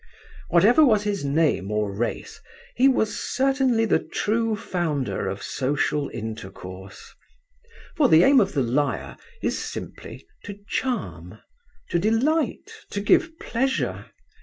Whatever was his name or race, he certainly was the true founder of social intercourse. For the aim of the liar is simply to charm, to delight, to give pleasure.